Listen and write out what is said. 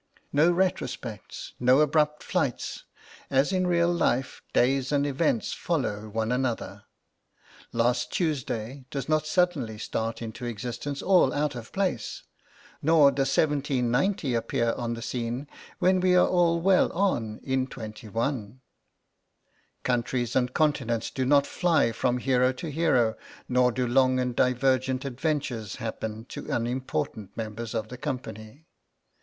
No retrospects; no abrupt flights; as in real life days and events follow one another. Last Tuesday does not suddenly start into existence all out of place; nor does 1790 appear upon the scene when we are well on in '21. Countries and continents do not fly from hero to hero, nor do long and divergent adventures happen to unimportant members of the company.